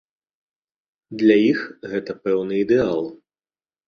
Для іх гэта пэўны ідэал.